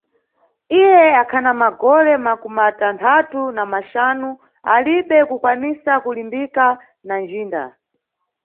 Iye akhana magole makumatanthatu na maxanu, alibe kukwanisa kulimbika na ndjinda.